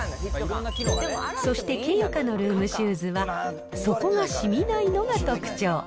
そして、ケユカのルームシューズは底がしみないのが特徴。